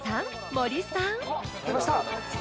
森さん？］